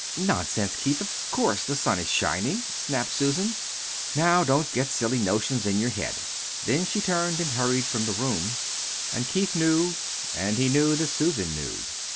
"Nonsense, Keith, of course, the sun is shinin'!" snapped Susan. "Now don't get silly notions in your head!" Then she turned and hurried from the room. And Keith knew. And he knew that Susan knew.